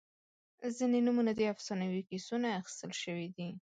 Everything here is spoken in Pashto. • ځینې نومونه د افسانوي کیسو نه اخیستل شوي دي.